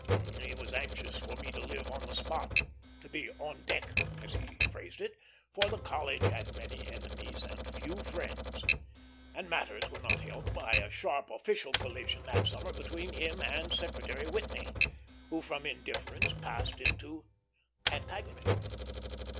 He was anxious for me to live on the spot, to be "on deck," as he phrased it, for the College had many enemies and few friends; and matters were not helped by a sharp official collision that summer between him and Secretary Whitney, who from indifference passed into antagonism.